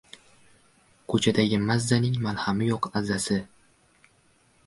Ko‘chadagi «mazza»ning malhami yo‘q «aza»si...